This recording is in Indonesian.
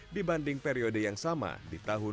dibanding periode yang sama di tahun dua ribu dua puluh